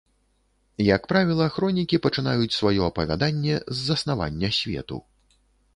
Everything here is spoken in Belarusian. Як правіла, хронікі пачынаюць сваё апавяданне з заснавання свету.